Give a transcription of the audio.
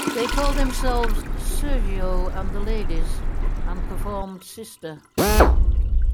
They called themselves "Sergio and The Ladies" and performed Sister.